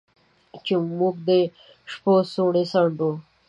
چې موږ د شپو څوڼې څنډو